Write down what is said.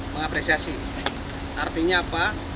mengapresiasi artinya apa